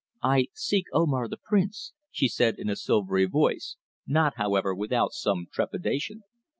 "I seek Omar, the Prince," she said in a silvery voice, not, however, without some trepidation.